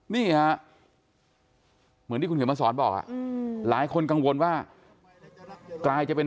นี่เหมือนที่คุณเขียนมาสอนบอกหลายคนกังวลว่า